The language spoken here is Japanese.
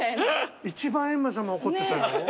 一番閻魔様怒ってたよ。